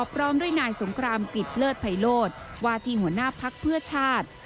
พร้อมด้วยนายสงครามกริจเลิศภัยโลศวาที่หัวหน้าพักเพื่อชาติ